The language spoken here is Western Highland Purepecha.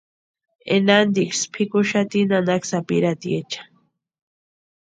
Enantiksï pikuxati nanaka sapirhatiecha.